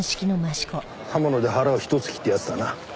刃物で腹をひと突きってやつだな。